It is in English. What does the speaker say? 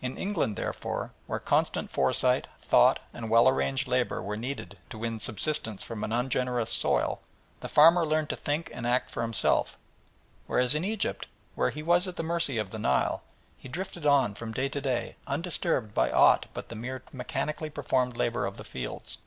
In England, therefore, where constant foresight, thought, and well arranged labour were needed to win subsistence from an ungenerous soil, the farmer learned to think and act for himself, whereas in Egypt, where he was at the mercy of the Nile, he drifted on from day to day undisturbed by aught but the mere mechanically performed labour of the fields.